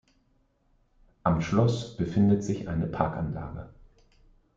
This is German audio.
Am Schloss befindet sich eine Parkanlage